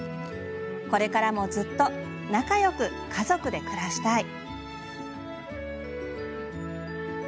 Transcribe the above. これからもずっと仲よく家族で暮らしたい。